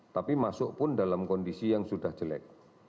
tapi masuk pun dalam kondisi yang sudah jelek